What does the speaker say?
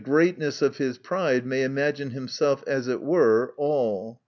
297 the gieatness of his pride, may imagine himself as it were all.